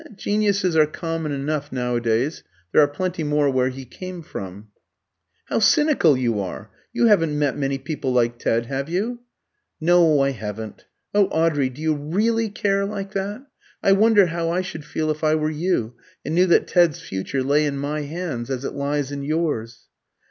"Geniuses are common enough nowadays; there are plenty more where he came from." "How cynical you are! You haven't met many people like Ted, have you?" "No, I haven't. Oh, Audrey, do you really care like that? I wonder how I should feel if I were you, and knew that Ted's future lay in my hands, as it lies in yours."